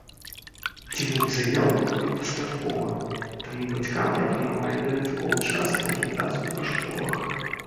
Дзвюх заяў было недастаткова, таму бацькам прапанавалі дадатковы час на агітацыю па школах.